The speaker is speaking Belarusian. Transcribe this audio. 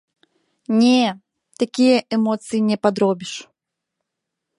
Не, такія эмоцыі не падробіш.